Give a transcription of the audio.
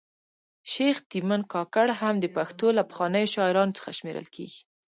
شیخ تیمن کاکړ هم د پښتو له پخوانیو شاعرانو څخه شمېرل کیږي